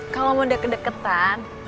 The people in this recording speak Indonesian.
kamu kemana sini koreans